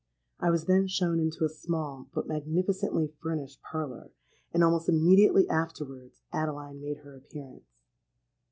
I was then shown into a small but magnificently furnished parlour; and almost immediately afterwards Adeline made her appearance.